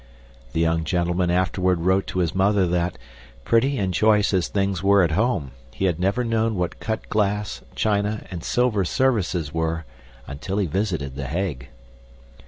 The young gentleman afterward wrote to his mother that, pretty and choice as things were at home, he had never known what cut glass, china, and silver services were until he visited The Hague.